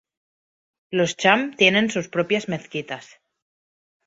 Los cham tienen sus propias mezquitas.